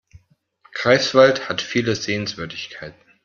Greifswald hat viele Sehenswürdigkeiten